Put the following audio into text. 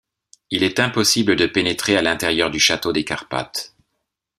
Il est impossible de pénétrer à l’intérieur du château des Carpathes.